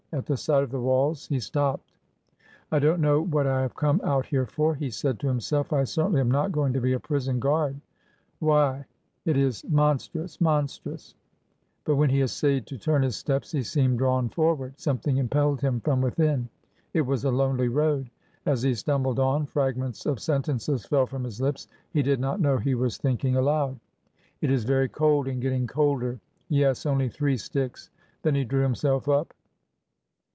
At the sight of the walls he stopped. I don't know what I have come out here for," he said to himself. '' I certainly am not going to be a prison guard 1 Why ! it is monstrous I monstrous I " But when he essayed to turn his steps he seemed drawn forward. Something impelled him from within. It was a lonely road. As he stumbled on, fragments of sentences fell from his lips— he did not know he was thinking aloud. '' It is very cold— and getting colder. ... Yes, only three sticks." Then he drew himself up.